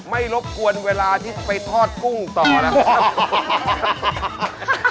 รบกวนเวลาที่ไปทอดกุ้งต่อนะครับ